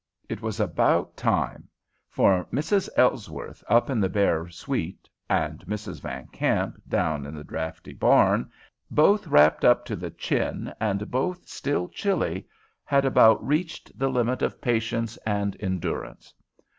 It was about time, for Mrs. Ellsworth, up in the bare suite, and Mrs. Van Kamp, down in the draughty barn, both wrapped up to the chin and both still chilly, had about reached the limit of patience and endurance.